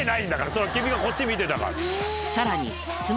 君がこっち見てたから。